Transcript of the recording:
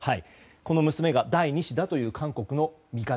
この娘が第２子だという韓国の見方。